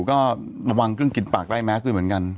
ก็ระวังกลิ่นปากใต้แมสด้วยเหมือนกัน